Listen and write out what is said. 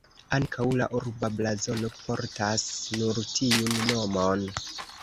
Ankaŭ la urba blazono portas nur tiun nomon.